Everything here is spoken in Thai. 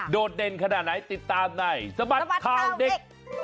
ดเด่นขนาดไหนติดตามในสบัดข่าวเด็ก